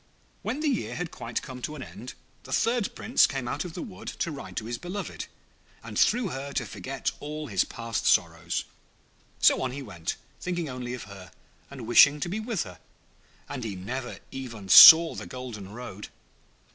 When the year had quite come to an end, the third Prince came out of the wood to ride to his beloved, and through her to forget all his past sorrows. So on he went, thinking only of her, and wishing to be with her; and he never even saw the golden road.